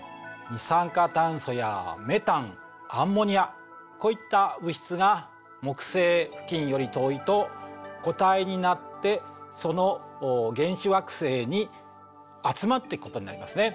二酸化炭素やメタンアンモニアこういった物質が木星付近より遠いと固体になってその原始惑星に集まっていくことになりますね。